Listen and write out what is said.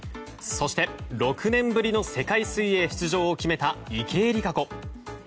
そして６年ぶりの世界水泳出場を決めた池江璃花子。